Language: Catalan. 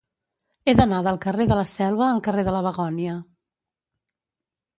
He d'anar del carrer de la Selva al carrer de la Begònia.